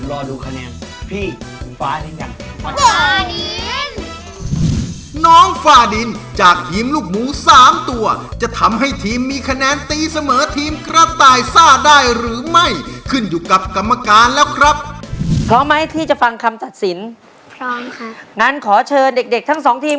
ที่จะฟังคำตัดสินพร้อมครับงั้นขอเชิญเด็กเด็กทั้งสองทีม